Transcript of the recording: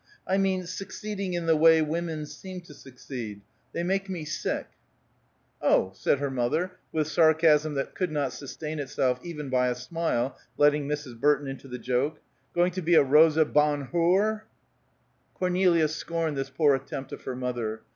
"I mean, succeeding in the way women seem to succeed. They make me sick!" "Oh," said her mother, with sarcasm that could not sustain itself even by a smile letting Mrs. Burton into the joke, "going to be a Rosa Bonnhure?" Cornelia scorned this poor attempt of her mother.